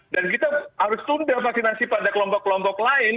dan kita harus tumpah vaksinasi pada kelompok kelompok lain